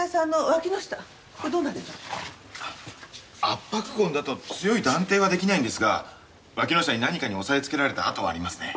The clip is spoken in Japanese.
圧迫痕だと強い断定は出来ないんですがわきの下に何かに押さえつけられた痕はありますね。